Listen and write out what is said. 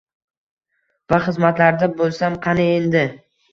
Va xizmatlarida bo‘lsam qani edi.